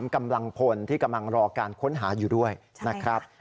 กำลังพลที่กำลังรอการค้นหาอยู่ด้วยนะครับ